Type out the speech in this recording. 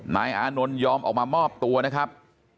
นายอานนท์ยอมออกมามอบตัวนะครับ